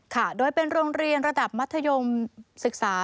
ค่ะโดยเป็นโรงเรียนระดับมัธยมศึกษา